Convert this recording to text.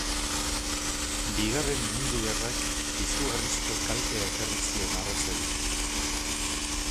Bigarren Mundu Gerrak izugarrizko kaltea ekarri zion arrazari.